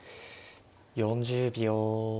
４０秒。